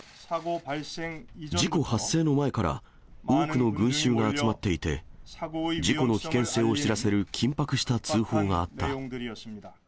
事故発生の前から、多くの群衆が集まっていて、事故の危険性を知らせる緊迫した通報があった。